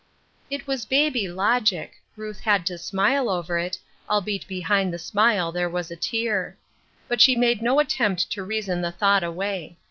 It was baby logic ; Ruth had to smile over it, albeit behind the smile there was a tear ; but she made no attempt to reason the thought away.